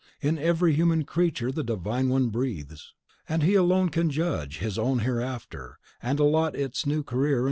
In every human creature the Divine One breathes; and He alone can judge His own hereafter, and allot its new career and home.